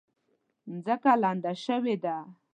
ځمکه لمده شوې ده